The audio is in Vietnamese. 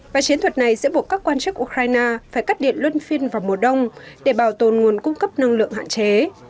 và chiến thuật này sẽ buộc các quan chức ukraine phải cắt điện luân phiên vào mùa đông để bảo tồn nguồn cung cấp năng lượng hạn chế